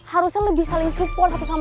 harusnya lebih saling support satu sama lain